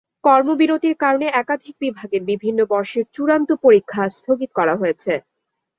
কর্মবিরতির কারণে একাধিক বিভাগের বিভিন্ন বর্ষের চূড়ান্ত পরীক্ষা স্থগিত করা হয়েছে।